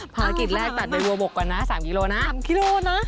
ภารกิจแรกตัดในวัวบกก่อนนะ๓กิโลนะ๓กิโลนะ